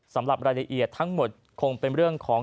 สำหรับรายละเอียดทั้งหมดคงเป็นเรื่องของ